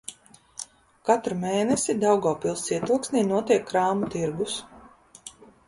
Katru mēnesi Daugavpils cietoksnī notiek krāmu tirgus.